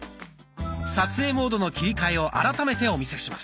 撮影モードの切り替えを改めてお見せします。